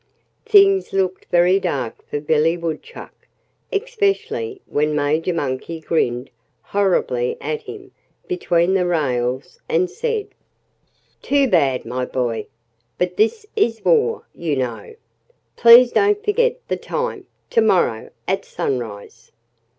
Things looked very dark for Billy Woodchuck especially when Major Monkey grinned horribly at him between the rails and said: "Too bad, my boy! But this is war, you know.... Please don't forget the time! To morrow, at sunrise!"